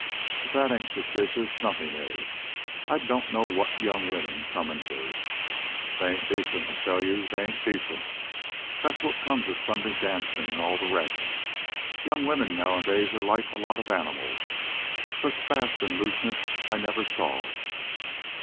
If that ain't suspicious, nothin' is. I don't know what young women's comin' to. They ain't decent, I tell you. They ain't decent. That's what comes of Sunday dancin' an' all the rest. Young women nowadays are like a lot of animals. Such fast an' looseness I never saw...."